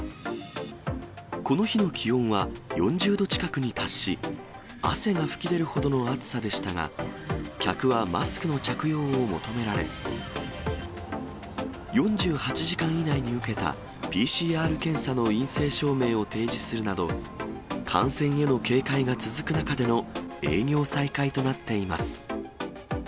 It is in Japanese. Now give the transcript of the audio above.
この日の気温は４０度近くに達し、汗が噴き出るほどの暑さでしたが、客はマスクの着用を求められ、４８時間以内に受けたＰＣＲ検査の陰性証明を提示するなど、感染への警戒が続く中での営業再開となっています。